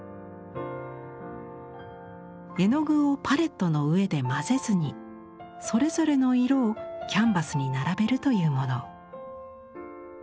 絵の具をパレットの上で混ぜずにそれぞれの色をキャンバスに並べるというもの。